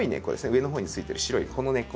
上のほうについてる白いこの根っこ。